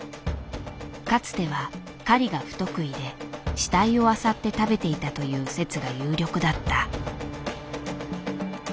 かつては狩りが不得意で死体をあさって食べていたという説が有力だった。